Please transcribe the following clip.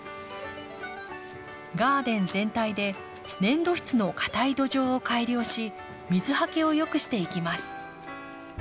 ガーデン全体で粘土質のかたい土壌を改良し水はけをよくしていきます。